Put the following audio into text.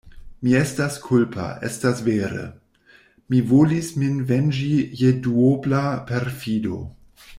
Mi estas kulpa; estas vere: mi volis min venĝi je duobla perfido.